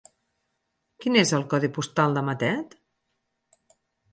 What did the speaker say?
Quin és el codi postal de Matet?